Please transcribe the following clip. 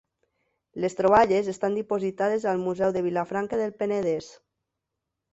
Les troballes estan dipositades al Museu de Vilafranca del Penedès.